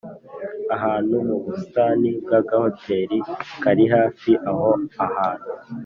ahantu mubustani bwagahoteri kari hafi aho ahantu